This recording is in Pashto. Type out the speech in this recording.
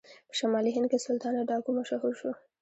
په شمالي هند کې سلطانه ډاکو مشهور شو.